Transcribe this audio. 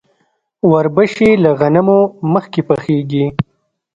وربشې له غنمو مخکې پخیږي.